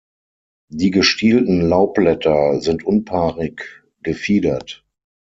Die gestielten Laubblätter sind unpaarig gefiedert.